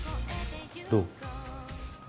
どう？